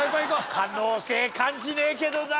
可能性感じねえけどな。